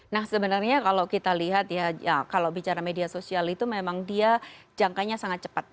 nah sebenarnya kalau kita lihat ya kalau bicara media sosial itu memang dia jangkanya sangat cepat